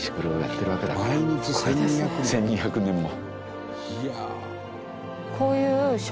１２００年も。